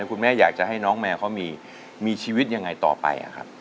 คุณแม่อยากจะให้น้องแมวเขามีชีวิตยังไงต่อไปครับ